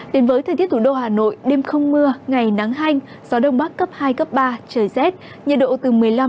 đến với thời tiết thủ đô hà nội đêm không mưa ngày nắng hanh gió đông bắc cấp hai cấp ba trời rét nhiệt độ từ một mươi năm đến hai mươi hai độ